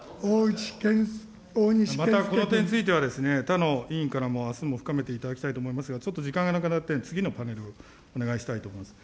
またこの点については、他の委員からも、あすも深めていただきたいと思いますが、ちょっと時間がなくなって、次のパネル、お願いしたいと思います。